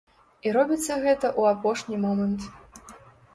І робіцца гэта ў апошні момант.